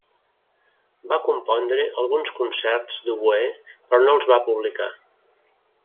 Va compondre alguns concerts d'oboè, però no els va publicar.